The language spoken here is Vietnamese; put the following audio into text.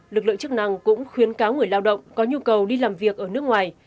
lực lượng chức năng cũng khuyến cáo người lao động có nhu cầu đi làm việc ở nước ngoài